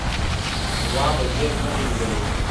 نواب وزیر نه دی لیدلی.